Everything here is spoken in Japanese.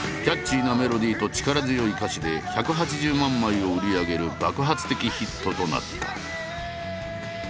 キャッチーなメロディーと力強い歌詞で１８０万枚を売り上げる爆発的ヒットとなった。